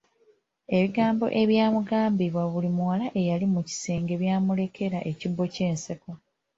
Ebigambo ebyamugambibwa buli muwala eyali mu kisenge byamulekera kibbo kya nseko.